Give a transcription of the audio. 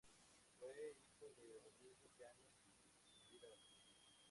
Fue hijo de Rodrigo Yáñez y Elvira Ortiz.